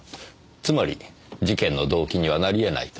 つまり事件の動機にはなり得ないと？